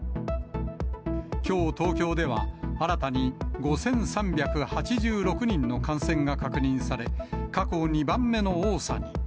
きょう東京では、新たに５３８６人の感染が確認され、過去２番目の多さに。